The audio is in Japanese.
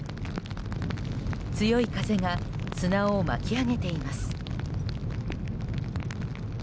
強い風が砂を巻き上げています。